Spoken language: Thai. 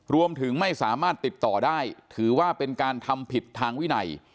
รวมถึงไม่สามารถติดต่อได้ถือว่าเป็นการทำผิดทางวินัย